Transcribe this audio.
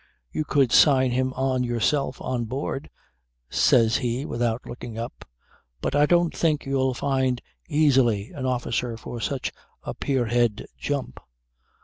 "You could sign him on yourself on board," says he without looking up. "But I don't think you'll find easily an officer for such a pier head jump."